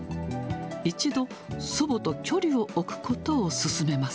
一度、祖母と距離を置くことを勧めます。